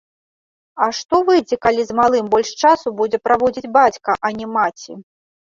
А што выйдзе, калі з малым больш часу будзе праводзіць бацька, а не маці?